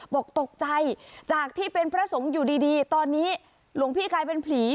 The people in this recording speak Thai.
บอกตกใจจากที่เป็นพระสงฆ์อยู่ดีตอนนี้หลวงพี่กลายเป็นผี